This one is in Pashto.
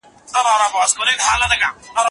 د خپل ځان او کورنۍ لپاره